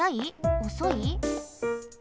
おそい？